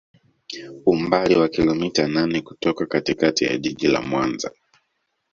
Umbali wa kilometa nane kutoka katikati ya Jiji la Mwanza